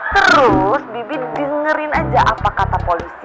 terus bibit dengerin aja apa kata polisi